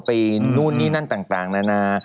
ไปนู่นนี่นั่นต่างนะ